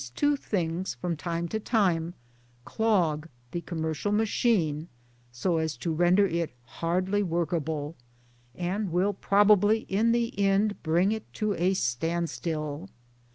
TRADE AND PHILOSOPHY 141 things from time to time clog] the Commercial Machine so as to render it hardly workable, and will probably in the end bring it to a standstill.